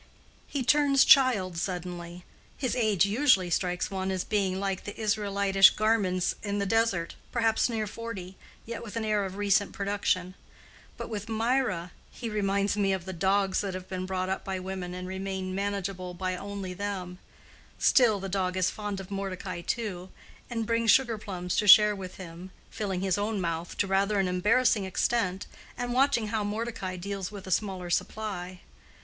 He turns child suddenly—his age usually strikes one as being like the Israelitish garments in the desert, perhaps near forty, yet with an air of recent production. But, with Mirah, he reminds me of the dogs that have been brought up by women, and remain manageable by them only. Still, the dog is fond of Mordecai too, and brings sugar plums to share with him, filling his own mouth to rather an embarrassing extent, and watching how Mordecai deals with a smaller supply.